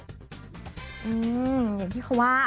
อย่างที่เขาว่า